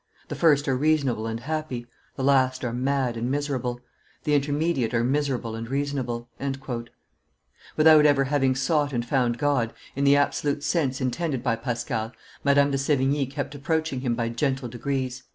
The first are reasonable and happy; the last are mad and miserable; the intermediate are miserable and reasonable." Without ever having sought and found God, in the absolute sense intended by Pascal, Madame de Sevigne kept approaching Him by gentle degrees.